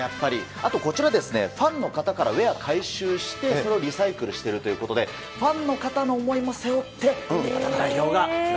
あとこちら、ファンの方から、ウエア回収して、それをリサイクルしているということで、ファンの方の思いも背負って、日本代表が。